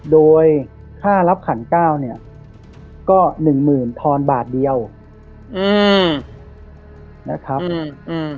โดยค่ารับขันเก้าเนี่ยก็หนึ่งหมื่นทอนบาทเดียวอืมนะครับอืม